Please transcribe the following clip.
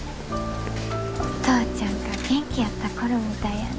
お父ちゃんが元気やった頃みたいやな。